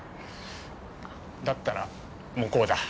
だったら向こうだ。